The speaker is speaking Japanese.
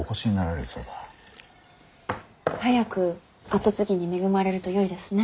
早く跡継ぎに恵まれるとよいですね。